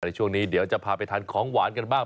ในช่วงนี้เดี๋ยวจะพาไปทานของหวานกันบ้าง